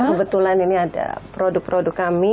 kebetulan ini ada produk produk kami